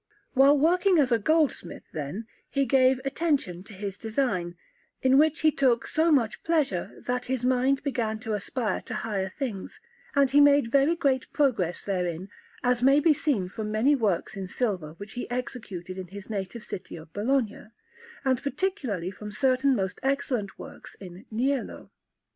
While working as a goldsmith, then, he gave attention to design, in which he took so much pleasure, that his mind began to aspire to higher things, and he made very great progress therein, as may be seen from many works in silver that he executed in his native city of Bologna, and particularly from certain most excellent works in niello.